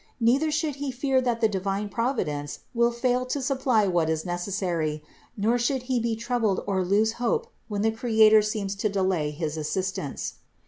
Neither should he fear that the divine Providence will fail to supply what is necessary, nor should he be troubled or lose hope when the Creator seems to delay his assistance.